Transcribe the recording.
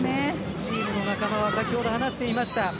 チームの仲間は先ほど話していました。